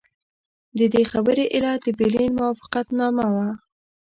د دې خبرې علت د برلین موافقتنامه وه.